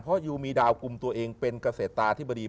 เพราะยูมีดาวกลุ่มตัวเองเป็นเกษตราธิบดี